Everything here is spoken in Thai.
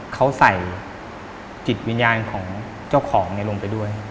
เขาใส่จิตวิญญาณของเจ้าของลงไปด้วย